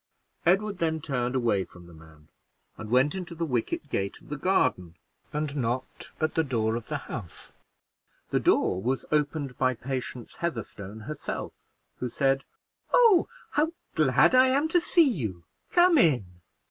Edward then turned away from the man, and went into the wicket gate of the garden, and knocked at the door of the House. The door was opened by Patience Heatherstone herself, who said, "Oh, how glad I am to see you! Come in."